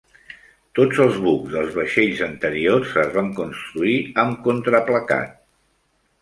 Tots els bucs dels vaixells anteriors es van construir amb contraplacat.